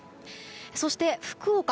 そして、福岡